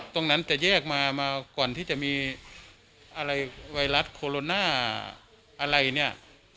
ตรงนั้นจะแยกมามาก่อนที่จะมีอะไรไวรัสโคโรนาอะไรเนี่ย